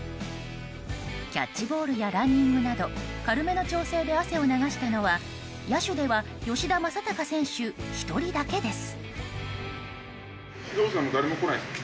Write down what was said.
キャッチボールやランニングなど軽めの調整で汗を流したのは野手では吉田正尚選手１人だけです。